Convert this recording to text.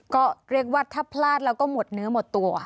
ก็เรียกว่าถ้าพลาดแล้วก็หมดเนื้อหมดตัว